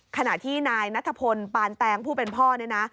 ขณะที่นายนัทพลปานแตงผู้เป็นพ่อเนี่ยนะ